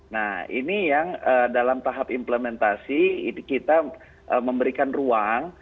nah ini yang dalam tahap implementasi kita memberikan ruang